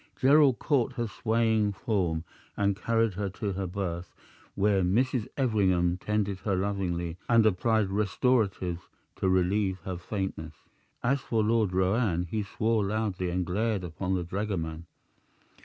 Gerald caught her swaying form and carried her to her berth, where Mrs. Everingham tended her lovingly and applied restoratives to relieve her faintness. As for Lord Roane, he swore loudly and glared upon the dragoman.